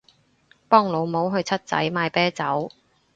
幫老母去七仔買啤酒